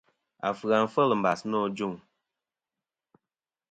Afɨ-a fel mbas nô ajuŋ.